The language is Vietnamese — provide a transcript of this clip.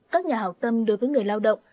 các nhà hào tâm đối với người lao động